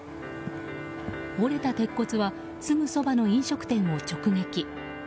折れた鉄骨はすぐそばの飲食店を直撃。